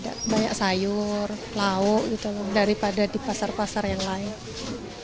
ada banyak sayur lauk gitu daripada di pasar pasar yang lain